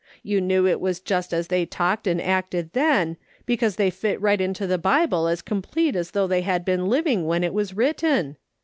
You knew it was just as they talked and acted then, because they fit right into the IJible as complete as though they had been living when it was written.